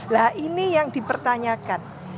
nah ini yang dipertanyakan